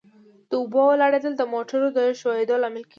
د اوبو ولاړېدل د موټرو د ښوئیدو لامل کیږي